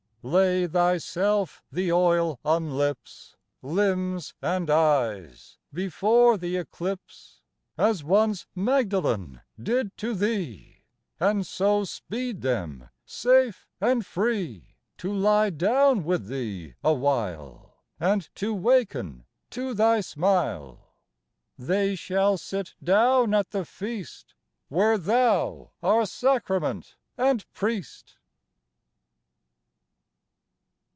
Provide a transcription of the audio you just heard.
Lay Thyself the oil on lips, Limbs and eyes, before the eclipse As once Magdalen did to Thee And so speed them, safe and free, To lie down with Thee a while And to waken to Thy smile. They shall sit down at the Feast Where Thou are Sacrament and Priest.